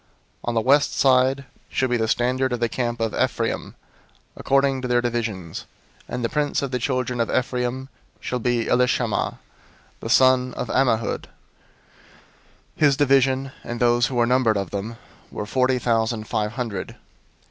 002:018 "On the west side shall be the standard of the camp of Ephraim according to their divisions: and the prince of the children of Ephraim shall be Elishama the son of Ammihud. 002:019 His division, and those who were numbered of them, were forty thousand five hundred.